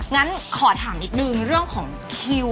งั้นขอถามนิดนึงเรื่องของคิว